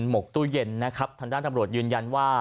หกตู้เย็นนะครับทางด้านตำรวจยืนยันว่า